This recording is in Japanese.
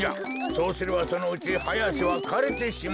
そうすればそのうちハヤアシはかれてしまう。